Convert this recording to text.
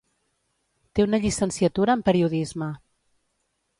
Té una llicenciatura en periodisme.